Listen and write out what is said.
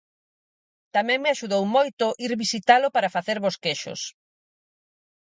Tamén me axudou moito ir visitalo para facer bosquexos.